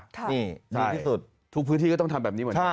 นี่นี่ที่สุดทุกพื้นที่ก็ต้องทำแบบนี้หมด